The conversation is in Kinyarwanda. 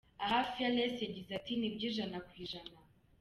Aha Fearless yagize ati “ Nibyo ijana ku ijana.